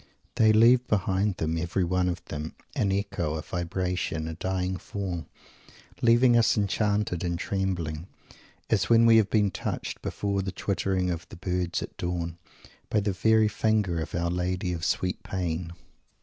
They leave behind them, every one of them, an echo, a vibration, a dying fall, leaving us enchanted and trembling; as when we have been touched, before the twittering of the birds at dawn, by the very fingers of Our Lady of sweet Pain!